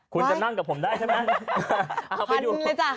คุณจะนั่งกับผมได้ใช่ไหมออกไปดูพันเลยจ้ะ